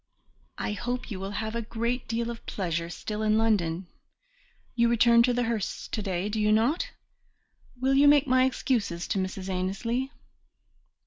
I hope you will have great deal of pleasure still in London. You return to the Hursts to day, do you not? Will you make my excuses to Mrs. Annesley?"